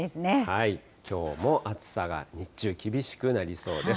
きょうも暑さが日中厳しくなりそうです。